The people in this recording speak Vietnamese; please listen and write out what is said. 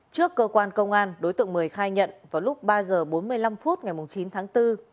trước cơ quan công an đối tượng mười khai nhận vào lúc ba h bốn mươi năm phút ngày chín tháng bốn